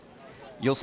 予想